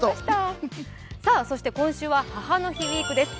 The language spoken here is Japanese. そして今週は母の日ウィークです。